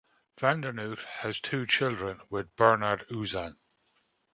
Vandernoot has two children with Bernard Uzan.